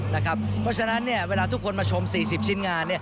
เพราะฉะนั้นเวลาทุกคนมาชม๔๐ชิ้นงาน